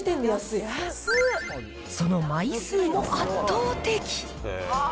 その枚数も圧倒的。